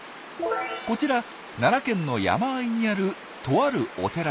こちら奈良県の山あいにあるとあるお寺です。